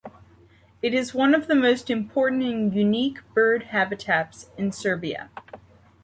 It is one of the most important and unique bird habitats in Serbia.